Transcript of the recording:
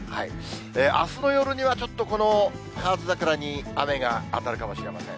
あすの夜には、ちょっとこのカワヅザクラに雨が当たるかもしれません。